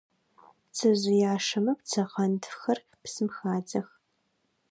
Пцэжъыяшэмэ пцэкъэнтфхэр псым хадзэх.